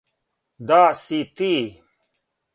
Да си ти?